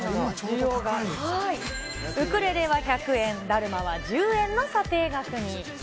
ウクレレは１００円、だるまは１０円の査定額に。